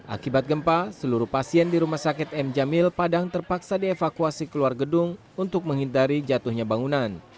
akibat gempa seluruh pasien di rumah sakit m jamil padang terpaksa dievakuasi keluar gedung untuk menghindari jatuhnya bangunan